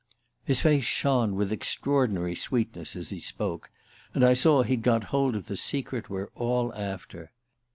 His face shone with extraordinary sweetness as he spoke; and I saw he'd got hold of the secret we're all after.